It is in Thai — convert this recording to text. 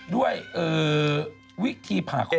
ด้วยวิธีผ่าคม